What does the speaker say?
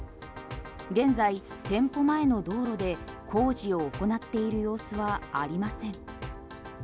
現在、店舗前の道路で工事を行っている様子はありません。